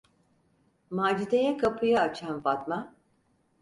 Macide’ye kapıyı açan Fatma: